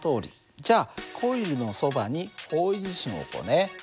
じゃあコイルのそばに方位磁針を置こうね。